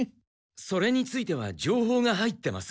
それについてはじょうほうが入ってます。